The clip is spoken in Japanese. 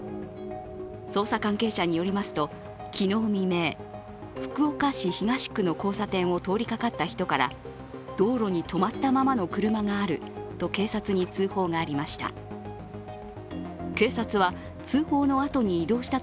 捜査関係者によりますと昨日未明、福岡市東区の交差点を通りかかった人から道路に止まったままの車があると警察に通報がありました。